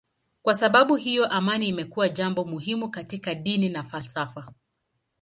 Kwa sababu hiyo amani imekuwa jambo muhimu katika dini na falsafa.